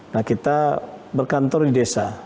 nah kita berkantor di desa